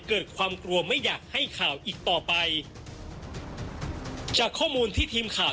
เกิดความกลัวไม่อยากให้ข่าวอีกต่อไปจากข้อมูลที่ทีมข่าว